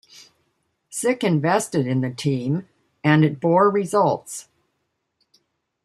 Sick invested in the team, and it bore results.